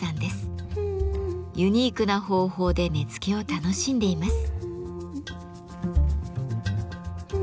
ユニークな方法で根付を楽しんでいます。